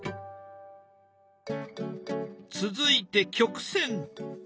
続いて曲線。